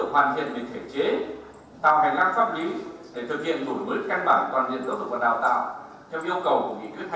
pháp lý để thực hiện đổi mới căn bản toàn diện giáo dục và đào tạo theo yêu cầu của nghị quyết hai mươi chín